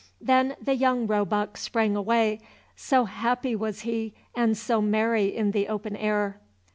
Then the young roebuck sprang away; so happy was he and so merry in the open air.